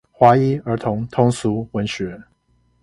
華一兒童通俗文學